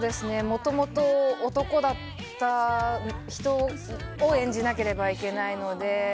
もともと男だった人を演じなければいけないので。